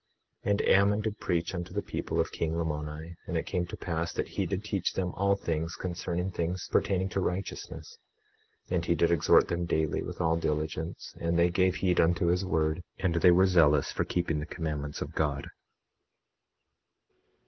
21:23 And Ammon did preach unto the people of king Lamoni; and it came to pass that he did teach them all things concerning things pertaining to righteousness. And he did exhort them daily, with all diligence; and they gave heed unto his word, and they were zealous for keeping the commandments of God.